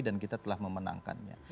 dan kita telah memenangkannya